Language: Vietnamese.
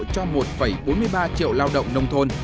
cho một bốn mươi ba triệu lao động nông thôn